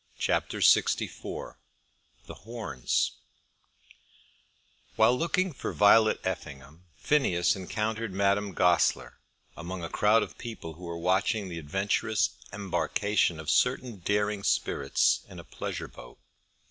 CHAPTER LXIV The Horns While looking for Violet Effingham, Phineas encountered Madame Goesler, among a crowd of people who were watching the adventurous embarkation of certain daring spirits in a pleasure boat.